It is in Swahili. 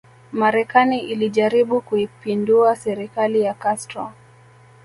Marekani ilijaribu kuipindua serikali ya Castro